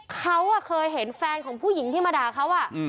เขาเคยเห็นแฟนของผู้หญิงที่มาด่าเขา